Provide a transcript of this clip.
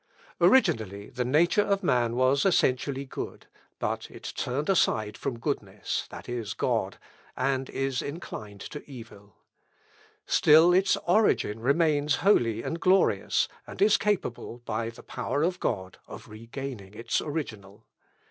" Originally the nature of man was essentially good; but it turned aside from goodness, that is, God, and is inclined to evil. Still its origin remains holy and glorious, and is capable, by the power of God, of regaining its original.